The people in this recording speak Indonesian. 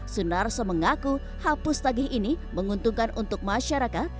sunarso mengaku hapus tagih ini menguntungkan untuk masyarakat